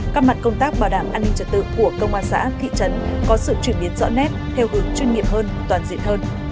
các mặt công tác bảo đảm an ninh trật tự của công an xã thị trấn có sự chuyển biến rõ nét theo hướng chuyên nghiệp hơn toàn diện hơn